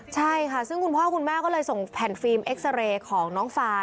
ใช่ค่ะซึ่งคุณพ่อคุณแม่ก็เลยส่งแผ่นฟิล์มเอ็กซาเรย์ของน้องฟ้า